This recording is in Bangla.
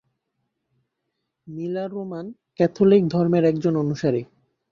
মিলার রোমান ক্যাথলিক ধর্মের একজন অনুসারী।